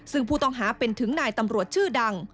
ซึ่งผู้ต้องหาเป็นถึงนายตำรวจชื่อดัง